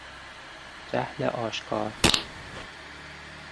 جهل آشکار